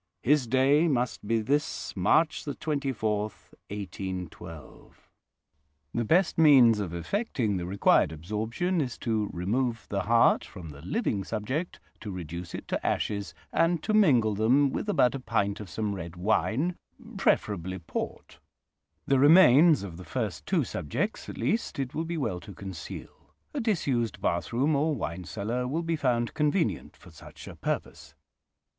His day must be this March 24, 1812. "The best means of effecting the required absorption is to remove the heart from the living subject, to reduce it to ashes, and to mingle them with about a pint of some red wine, preferably port. The remains of the first two subjects, at least, it will be well to conceal: a disused bathroom or wine cellar will be found convenient for such a purpose.